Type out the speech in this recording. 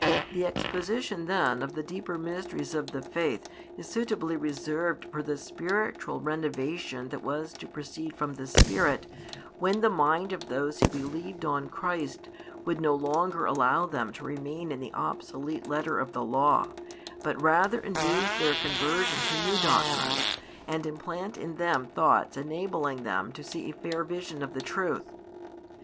The exposition then of the deeper mysteries of the faith is suitably reserved for the spiritual renovation that was to proceed from the Spirit when the mind of those who believed on Christ would no longer allow them to remain in the obsolete letter of the Law but rather induce their conversion to new doctrines and implant in them thoughts enabling them to see a fair vision of the truth.